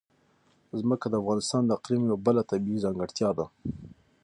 ځمکه د افغانستان د اقلیم یوه بله طبیعي ځانګړتیا ده.